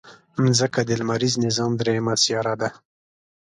مځکه د لمریز نظام دریمه سیاره ده.